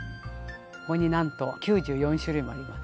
ここになんと９４種類もあります。